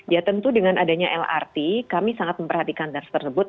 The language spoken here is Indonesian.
ya tentu dengan adanya lrt kami sangat memperhatikan das tersebut